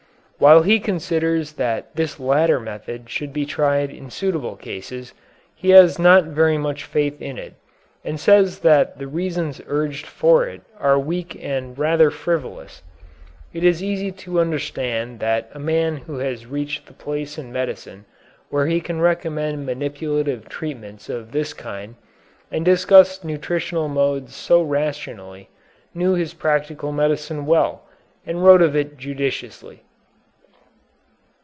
While he considers that this latter method should be tried in suitable cases, he has not very much faith in it, and says that the reasons urged for it are weak and rather frivolous. It is easy to understand that a man who has reached the place in medicine where he can recommend manipulative treatments of this kind, and discuss nutritional modes so rationally, knew his practical medicine well, and wrote of it judiciously.